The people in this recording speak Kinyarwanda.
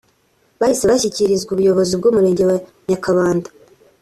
bahise bashyikirizwa ubuyobozi bw’Umurenge wa Nyakabanda